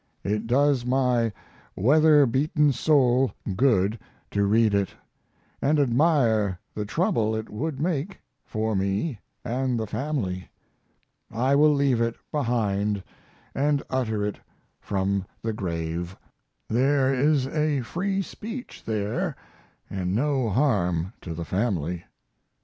It does my weather beaten soul good to read it, and admire the trouble it would make for me and the family. I will leave it behind and utter it from the grave. There is a free speech there, and no harm to the family.